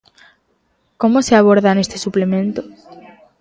Como se aborda neste suplemento?